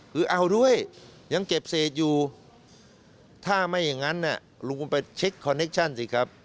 คือเอาด้วยยังเก็บเศษอยู่ถ้าไม่อย่างนั้นลุงก็ไปเช็คคอนเคชั่นสิครับ